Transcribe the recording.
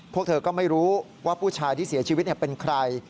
พวกเธอก็ไม่รู้ว่าผู้ชายที่เสียชีวิตเป็นใคร